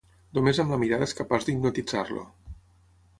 Només amb la mirada és capaç d'hipnotitzar-lo.